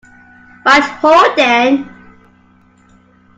Right ho, then.